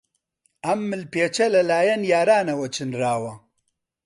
ئەم ملپێچە لەلایەن یارانەوە چنراوە.